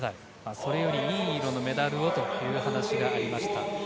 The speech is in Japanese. それよりいい色のメダルをというお話がありました。